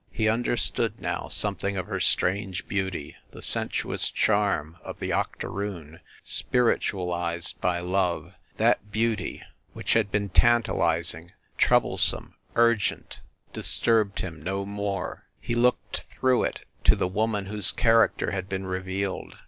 He un derstood, now, something of her strange beauty the sensuous charm of the octoroon spiritualized by love. That beauty which had before been tantalrz SCHEFFEL HALL 47 ing, troublesome, urgent, disturbed him no more. He looked through it to the woman whose character had been revealed.